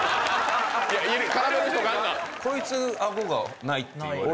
こいつ顎がないっていわれてる。